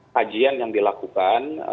kajian yang dilakukan